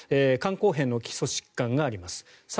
肝硬変の基礎疾患があります。